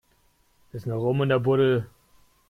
Ist noch Rum in der Buddel?